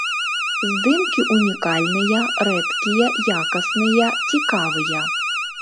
Здымкі ўнікальныя, рэдкія, якасныя, цікавыя.